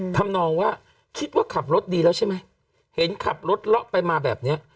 ทำนองว่าคิดว่าขับรถดีแล้วใช่ไหมเห็นขับรถเลาะไปมาแบบเนี้ย